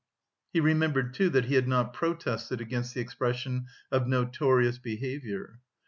He remembered, too, that he had not protested against the expression "of notorious behaviour."